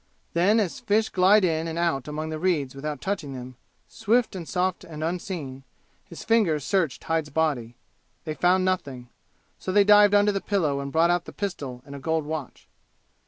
Then as fish glide in and out among the reeds without touching them, swift and soft and unseen, his fingers searched Hyde's body. They found nothing. So they dived under the pillow and brought out the pistol and a gold watch.